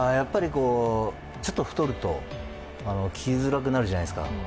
ちょっと太ると着づらくなるじゃないですか。